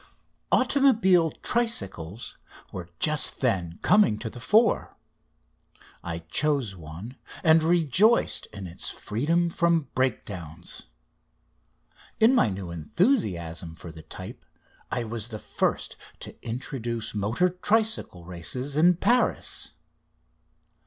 Automobile tricycles were just then coming to the fore. I chose one, and rejoiced in its freedom from breakdowns. In my new enthusiasm for the type, I was the first to introduce motor tricycle races in Paris.